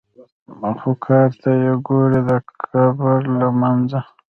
خو کار ته یې ګورې د قبر له منځه.